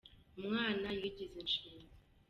Umwana yigize inshinzi.